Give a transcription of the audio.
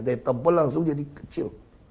daya tempel langsung jadi kecil